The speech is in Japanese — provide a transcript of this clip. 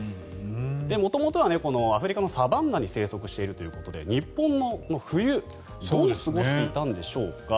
元々はアフリカのサバンナに生息しているということで日本の冬どう過ごしていたんでしょうか。